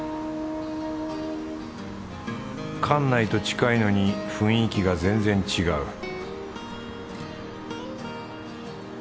関内と近いのに雰囲気が全然違う